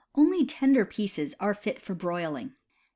Only tender pieces are fit for broiling.